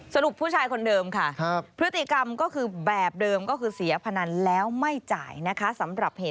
สรุปผู้ชายคนเดิมค่ะ